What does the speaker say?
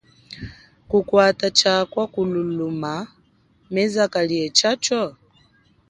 Kukwata cha kwa kululama meza kaliehacho?